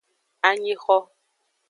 Anyixo.